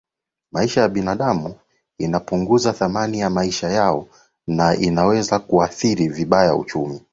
maisha ya binadamu inapunguza thamani ya maisha yao na inaweza kuathiri vibaya uchumi